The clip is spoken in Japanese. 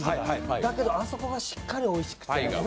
だけどあそこがしっかりおいしくて。